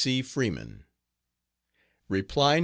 C. FREEMAN. Reply No.